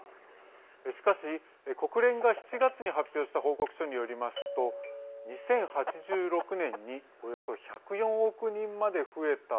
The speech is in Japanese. しかし、国連が７月に発表した報告書によりますと２０８６年におよそ１０４億人まで増えた